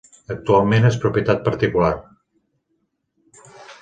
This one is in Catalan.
Actualment és propietat particular.